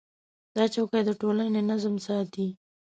دا چوکاټ د ټولنې نظم ساتي.